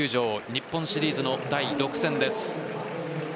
日本シリーズの第６戦です。